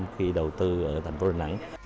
khi đầu tư thành phố đà nẵng